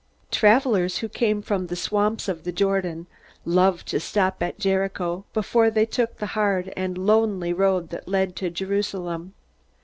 Travelers who came from the swamps of the Jordan loved to stop at Jericho before they took the hard and lonely road that led to Jerusalem.